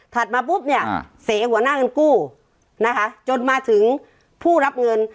มาปุ๊บเนี่ยเสหัวหน้าเงินกู้นะคะจนมาถึงผู้รับเงิน